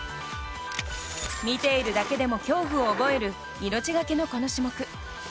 見ているだけでも恐怖を覚える命がけの、この種目。